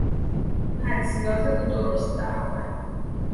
حدسیات او درست درآمد.